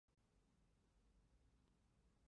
贝斯科是德国勃兰登堡州的一个市镇。